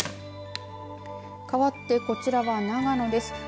かわって、こちらは長野です。